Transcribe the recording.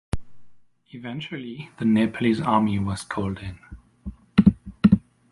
Eventually, the Nepalese Army was called in.